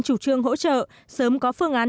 chủ trương hỗ trợ sớm có phương án